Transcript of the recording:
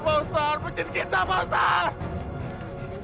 menjengkel kita ustaz